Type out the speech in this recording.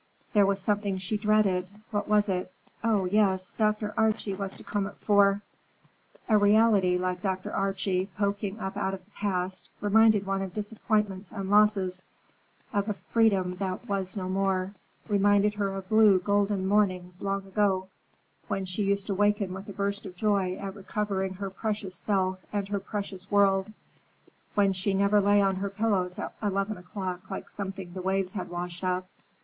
There was something she dreaded; what was it? Oh, yes, Dr. Archie was to come at four. A reality like Dr. Archie, poking up out of the past, reminded one of disappointments and losses, of a freedom that was no more: reminded her of blue, golden mornings long ago, when she used to waken with a burst of joy at recovering her precious self and her precious world; when she never lay on her pillows at eleven o'clock like something the waves had washed up.